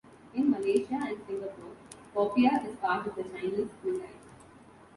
In Malaysia and Singapore, "popiah" is part of the Chinese cuisine.